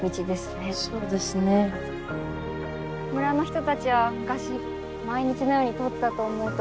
村の人たちは昔毎日のように通ったと思うと。